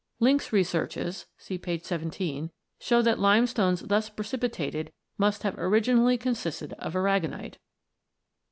Linck's researches (p. 17) show that limestones thus precipitated must have originally consisted of aragonite.